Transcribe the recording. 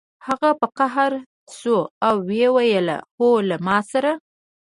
هغه په قهر شو او ویې ویل هو له ما سره